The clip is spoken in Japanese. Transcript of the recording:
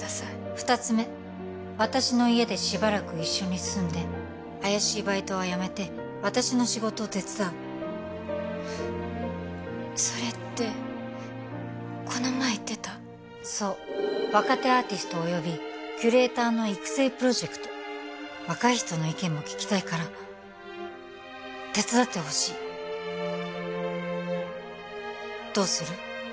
２つ目私の家でしばらく一緒に住んで怪しいバイトはやめて私の仕事を手伝うそれってこの前言ってたそう若手アーティストおよびキュレーターの育成プロジェクト若い人の意見も聞きたいから手伝ってほしいどうする？